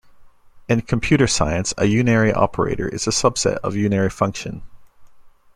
In computer science, a unary operator is a subset of unary function.